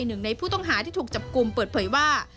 หนึ่งในผู้ต้องหาที่ถูกจับกลุ่มเปิดเผยว่า